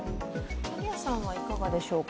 萩谷さんはいかがでしょうか。